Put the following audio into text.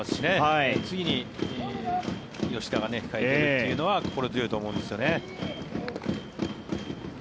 次に吉田が控えているのは心強いと思うんですよね。